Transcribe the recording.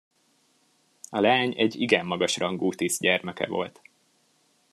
A leány egy igen magas rangú tiszt gyermeke volt.